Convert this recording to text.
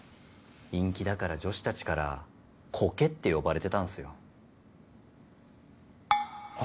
陰気だから女子たちから「苔」って呼ばれてたんすよ。苔？